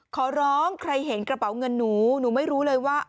ขอร้องใครเห็นกระเป๋าเงินหนู